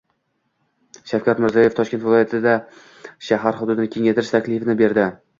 Shavkat Mirziyoyev Toshkent viloyatidagioltita shahar hududini kengaytirish taklifini berdi